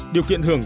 điều kiện hưởng